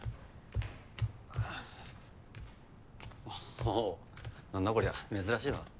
おぉなんだこりゃ珍しいな。